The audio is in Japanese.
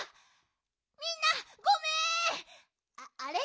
みんなごめんあれ？